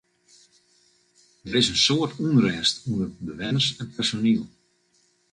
Der is in soad ûnrêst ûnder bewenners en personiel.